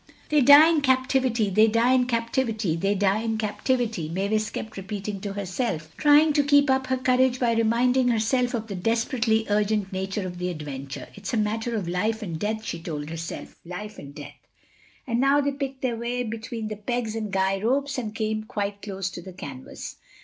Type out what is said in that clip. "They die in captivity, they die in captivity, they die in captivity," Mavis kept repeating to herself, trying to keep up her courage by reminding herself of the desperately urgent nature of the adventure. "It's a matter of life and death," she told herself—"life and death." And now they picked their way between the pegs and guy ropes and came quite close to the canvas.